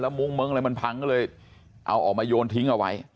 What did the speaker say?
มุ้งเมิ้งอะไรมันพังก็เลยเอาออกมาโยนทิ้งเอาไว้